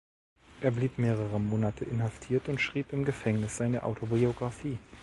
Er blieb mehrere Monate inhaftiert und schrieb im Gefängnis seine Autobiografie.